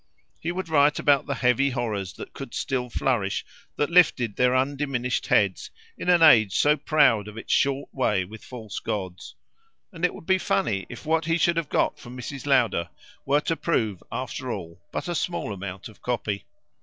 He would write about the heavy horrors that could still flourish, that lifted their undiminished heads, in an age so proud of its short way with false gods; and it would be funny if what he should have got from Mrs. Lowder were to prove after all but a small amount of copy.